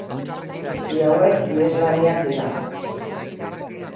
Bi hauek iheslariak dira.